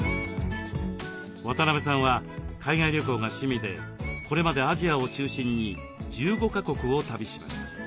渡辺さんは海外旅行が趣味でこれまでアジアを中心に１５か国を旅しました。